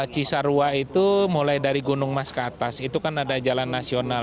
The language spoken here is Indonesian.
cisarua itu mulai dari gunung mas ke atas itu kan ada jalan nasional